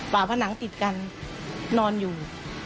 ผนังติดกันนอนอยู่